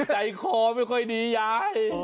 ใจคอไม่ค่อยดียาย